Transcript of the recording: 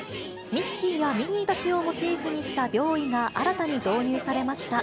ミッキーやミニーたちをモチーフにした病衣が新たに導入されました。